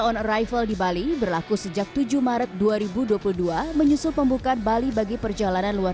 on arrival di bali berlaku sejak tujuh maret dua ribu dua puluh dua menyusul pembukaan bali bagi perjalanan luar